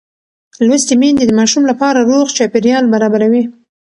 لوستې میندې د ماشوم لپاره روغ چاپېریال برابروي.